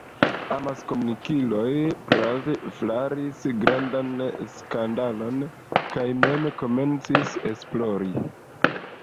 Amaskomunikiloj prave flaris grandan skandalon kaj mem komencis esplori.